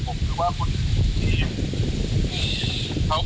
เผื่อเขายังไม่ได้งาน